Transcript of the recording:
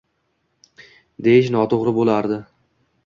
deyish noto‘g‘ri bo‘lardi.